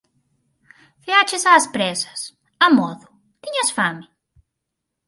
Ceaches ás présas? Amodo? Tiñas fame?